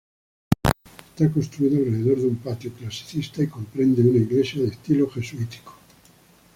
Está construido alrededor de un patio clasicista y comprende una iglesia de estilo jesuítico.